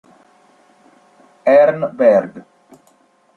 Arne Berg